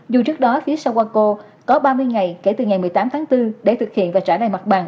dù trước đó phía sawa co có ba mươi ngày kể từ ngày một mươi tám tháng bốn để thực hiện và trả đài mặt bằng